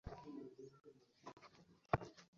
তোমার কী মনে হয় নিজের লাইসেন্সের ব্যাপারে?